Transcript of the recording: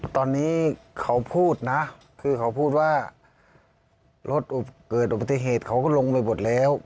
ตอนนี้เขาพูดนะคือเขาพูดว่ารถเกิดอุบัติเหตุเขาก็ลงไปหมดแล้ว